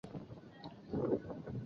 丁螺环酮用作血清素部分激动剂。